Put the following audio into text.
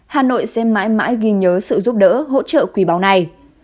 hà nội sẽ mãi mãi ghi nhớ sự giúp đỡ hỗ trợ quý báu này